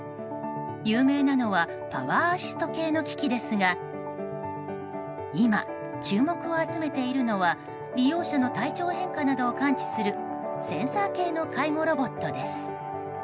有名なのはパワーアシスト系の機器ですが今、注目を集めているのは利用者の体調変化などを感知するセンサー系の介護ロボットです。